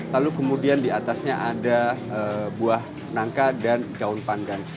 lalu kemudian diatasnya ada buah nangka dan daun pandan